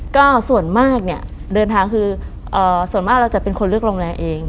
ก็ส่วนมากเนี่ยเดินทางคือส่วนมากเราจะเป็นคนเลือกโรงแรมเอง